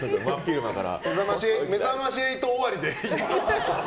「めざまし８」終わりで。